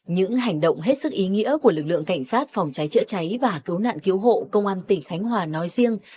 những hành động hết sức ý nghĩa của lực lượng cảnh sát phòng cháy chữa cháy và cứu nạn cứu hộ công an tỉnh khánh hòa nói riêng